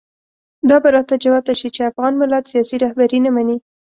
دا به راته جوته شي چې افغان ملت سیاسي رهبري نه مني.